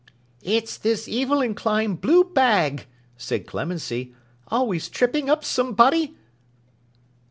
'It's this evil inclined blue bag,' said Clemency, 'always tripping up somebody!